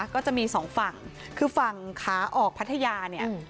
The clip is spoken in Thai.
ก็จะมีสองฝั่งคือฝั่งขาออกพัทยาเนี่ย